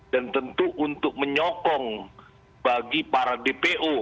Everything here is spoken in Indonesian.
dan tentu untuk menyokong bagi para dpo